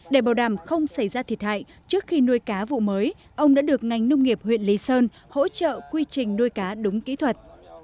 để bảo đảm không xảy ra thiệt hại trước khi nuôi cá vụ mới ông đã được ngành nông nghiệp huyện lý sơn hỗ trợ quy trình nuôi cá đúng kỹ thuật